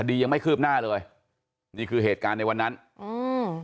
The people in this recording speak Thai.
ยังไม่คืบหน้าเลยนี่คือเหตุการณ์ในวันนั้นอืม